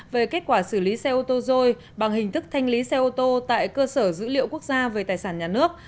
về kết quả xử lý xe ô tô rồi bằng hình thức thanh lý xe ô tô tại cơ sở dữ liệu quốc gia về tài sản nhà nước